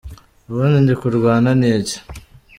ubundi ndikurwana niki